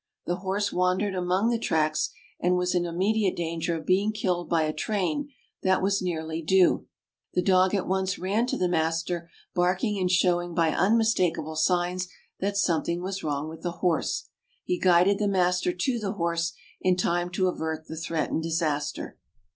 The horse wandered among the tracks, and was in immediate danger of being killed by a train that was nearly due. The dog at once ran to the master, barking and showing by unmistakable signs that something was wrong with the horse. He guided the master to the horse in time to avert the threatened disaster.